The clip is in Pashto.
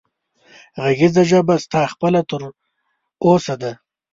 غږېږه ژبه ستا خپله تر اوسه ده